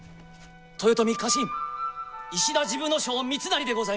豊臣家臣石田治部少輔三成でございます。